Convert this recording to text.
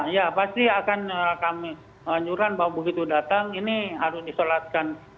ya pasti akan kami anjuran bahwa begitu datang ini harus disolatkan